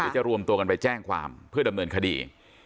จะรวมตัวกันไปแจ้งความเพื่อดำเนินคดี